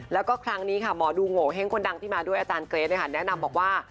แล้วก็ครั้งนี้ค่ะหมอดูโงเห้งคนดังที่มาด้วยอาจารย์เกรทแนะนำบอกว่า